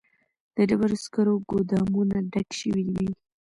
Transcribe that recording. د ډبرو سکرو ګودامونه ډک شوي وي